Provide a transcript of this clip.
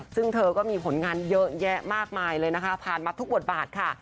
ซึ่งเธอก็มีผลงานเยอะแยะมากมายเลยนะคะผ่านมาทุกบทบาทค่ะ